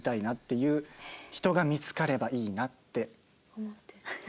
いう人が見つかればいいなって思ってますよ。